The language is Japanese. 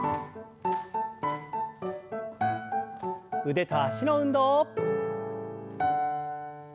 腕と脚の運動。